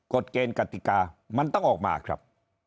กฎเกณฑ์กติกามันต้องออกมาครับ